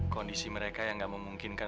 kondisi mereka yang nggak memungkinkan